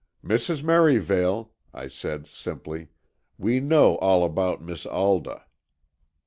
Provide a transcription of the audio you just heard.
"Mrs. Merivale," I said, simply, "we know all about Miss Alda."